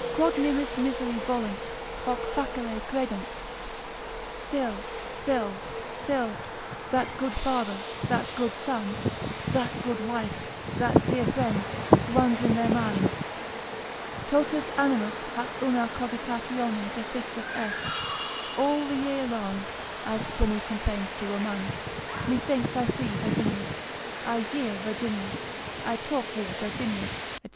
Quod nimis miseri volunt, hoc facile credunt, still, still, still, that good father, that good son, that good wife, that dear friend runs in their minds: Totus animus hac una cogitatione defixus est, all the year long, as Pliny complains to Romanus, methinks I see Virginius, I hear Virginius, I talk with Virginius, &c.